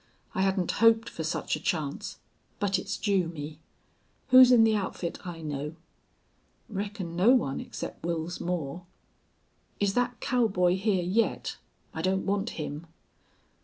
"I hadn't hoped for such a chance. But it's due me. Who's in the outfit I know?" "Reckon no one, except Wils Moore." "Is that cowboy here yet? I don't want him."